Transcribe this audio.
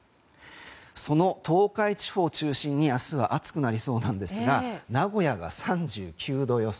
その東海地方を中心に明日は暑くなりそうなんですが名古屋が３９度予想